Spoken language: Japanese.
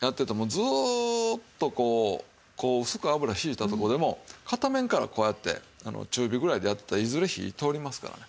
ずーっとこうこう薄く油引いたとこでも片面からこうやって中火ぐらいでやってたらいずれ火通りますからね。